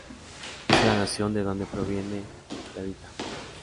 Es la nación de donde proviene Tabitha.